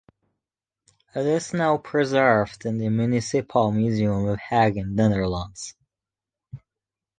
It is now preserved in the Municipal museum of Hague in Netherlands.